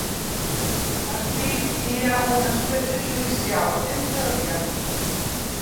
Aquí hi ha una escletxa judicial, en teoria.